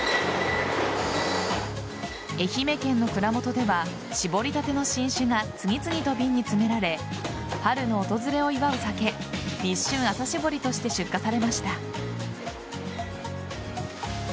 愛媛県の蔵元では搾りたての新酒が次々と瓶に詰められ春の訪れを祝う酒立春朝搾りとして出荷されました。